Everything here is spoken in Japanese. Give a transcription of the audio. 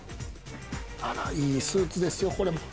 いいスーツですよ、これも。